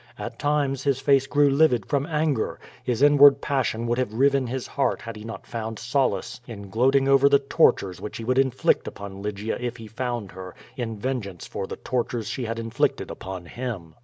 At times his face grew livid from anger. His in ward passion would have riven his heart had he not found solace in gloating over the tortures which he would inflict upon Lygia if he found her, in vengeance for the tortures she had inflicted upon him.